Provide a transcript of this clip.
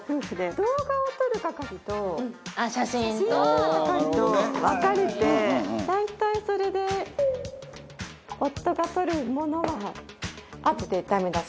動画を撮る係と写真を撮る係と分かれて大体それで夫が撮るものはあとでダメ出し。